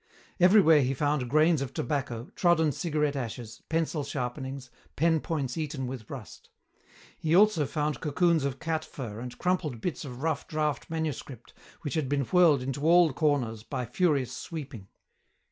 Everywhere he found grains of tobacco, trodden cigarette ashes, pencil sharpenings, pen points eaten with rust. He also found cocoons of cat fur and crumpled bits of rough draft manuscript which had been whirled into all corners by the furious sweeping.